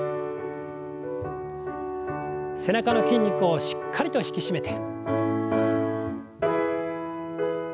背中の筋肉をしっかりと引き締めて。